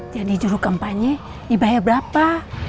jadi juru kampanye dibayar berapa